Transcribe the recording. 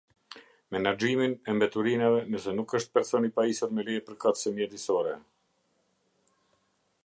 Menaxhimin e mbeturinave, nëse nuk është person i pajisur me leje përkatëse mjedisore.